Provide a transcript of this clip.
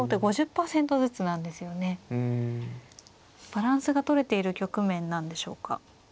バランスがとれている局面なんでしょうか。